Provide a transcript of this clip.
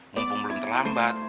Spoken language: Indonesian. mumpung belum terlambat